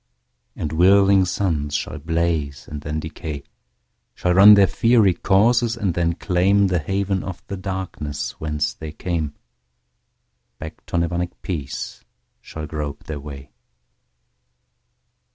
And whirling suns shall blaze and then decay, Shall run their fiery courses and then claimThe haven of the darkness whence they came; Back to Nirvanic peace shall grope their way.